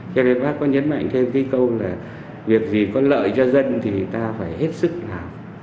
cho nên bác có nhấn mạnh thêm cái câu là việc gì có lợi cho dân thì ta phải hết sức là